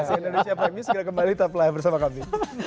indonesia prime news segera kembali top live bersama kami